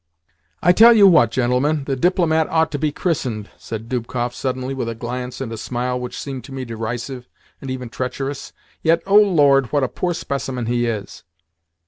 "I tell you what, gentlemen: the DIPLOMAT ought to be christened," said Dubkoff suddenly, with a glance and a smile which seemed to me derisive, and even treacherous. "Yet, O Lord, what a poor specimen he is!"